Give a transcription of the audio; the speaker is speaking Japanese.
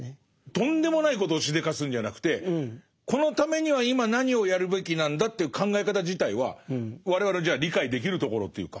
とんでもないことをしでかすんじゃなくてこのためには今何をやるべきなんだという考え方自体は我々じゃあ理解できるところというか。